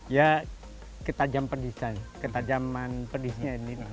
ya ketajaman pedisnya ini